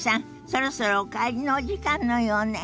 そろそろお帰りのお時間のようね。